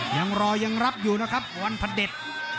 ยังรอยังรับอยู่นะครับวันพระเด็จ